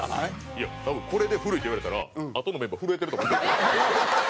いや多分これで古いと言われたらあとのメンバー震えてると思います。